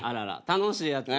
楽しいやつ。